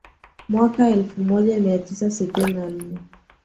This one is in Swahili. mwaaka elfu moja mia tisa sitini na nne